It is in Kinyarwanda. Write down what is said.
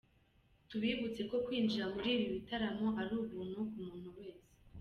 Tubibutse ko kwinjira muri ibi bitaramo ari ubuntu ku muntu wese.